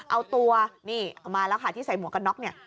เอาตัวนี่เอามาแล้วค่ะที่ใส่หมวกกันน็อกเนี่ย